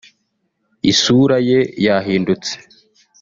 isura ye yahindutse